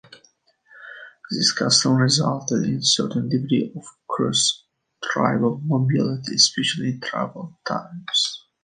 This custom resulted in a certain degree of cross-tribal mobility, especially in troubled times.